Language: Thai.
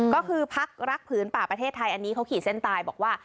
ก็คือพักรักผืนป่าประเทศไทยอันนี้เขาขีดเส้นตายบอกว่า